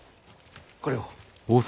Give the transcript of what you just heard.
これを。